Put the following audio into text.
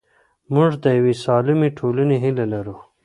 موږ د یوې سالمې ټولنې هیله لرو.